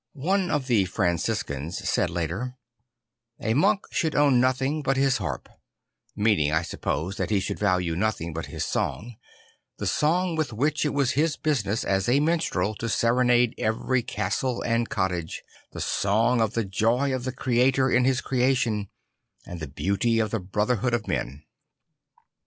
One of the Franciscans says later, U A monk should own nothing but his harp"; meaning, I suppose, that he should value nothing but his song, the song with which it was his business as a minstrel to serenade every castle and cottage, the song of the joy of the Creator in his creation and the beauty of the brotherhood of men.